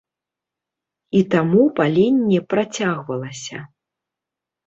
І таму паленне працягвалася.